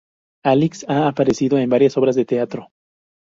Alix ha aparecido en varias obras de teatro.